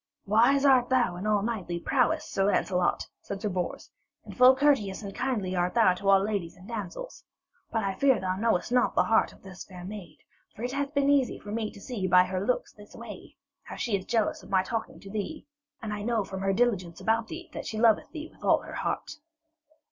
'Wise art thou in all knightly prowess, Sir Lancelot,' said Sir Bors, 'and full courteous and kindly art thou to all ladies and damsels. But I fear thou knowest not the heart of this fair maid. For it hath been easy for me to see by her looks this way how she is jealous of my talking to thee, and I know from her diligence about thee that she loveth thee with all her heart.'